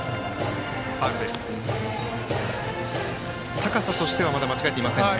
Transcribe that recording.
高さとしてはまだ間違えていませんね。